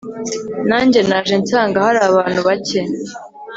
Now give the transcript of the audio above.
nanjye naje nsanga hari abantu bacye